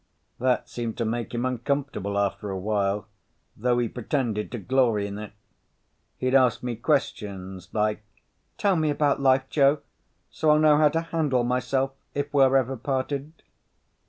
That seemed to make him uncomfortable after a while, though he pretended to glory in it. He'd ask me questions like, "Tell me about life, Joe. So I'll know how to handle myself if we're ever parted."